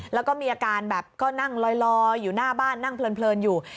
แล้วก็มีอาการแบบก็นั่งลอยอยู่หน้าบ้านนั่งเพลินอยู่